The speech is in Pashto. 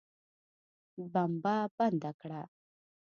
بمبه بنده کړه.